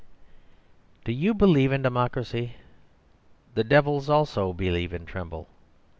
Do you believe in Democracy? The devils also believe and tremble.